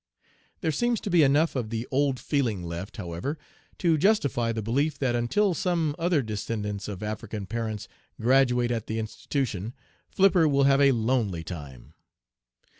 There seems to be enough of the old feeling left, however, to justify the belief that until some other descendants of African parents graduate at the institution, Flipper will have a lonely time.